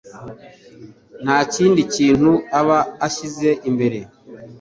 nta kindi kintu aba ashyize imbere